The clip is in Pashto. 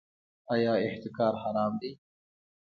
آیا احتکار حرام دی؟